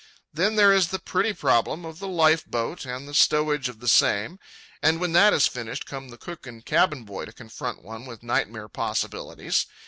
Then there is the pretty problem of the life boat and the stowage of the same. And when that is finished, come the cook and cabin boy to confront one with nightmare possibilities.